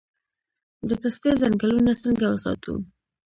د پستې ځنګلونه څنګه وساتو؟